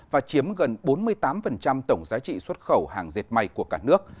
và chiếm gần bốn mươi tám tổng giá trị xuất khẩu hàng dệt may của cả nước